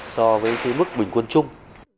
so với thế mức bình quân chung